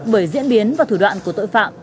bởi diễn biến và thủ đoạn của tội phạm